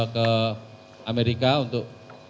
ke amerika untuk